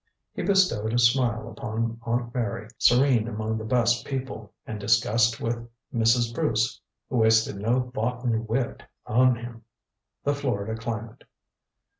He bestowed a smile upon Aunt Mary, serene among the best people, and discussed with Mrs. Bruce who wasted no boughten wit on him the Florida climate.